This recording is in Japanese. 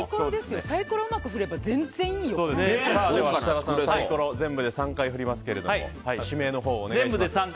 サイコロをうまく振ればでは設楽さん、サイコロを全部で３回振りますけど指名のほうを。全部で３回。